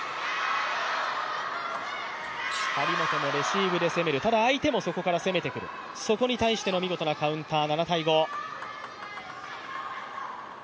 張本もレシーブで攻める、ただ相手も攻めてくる、そこに対しての見事なカウンター。